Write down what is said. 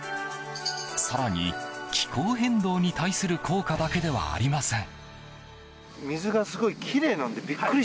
更に、気候変動に対する効果だけではありません。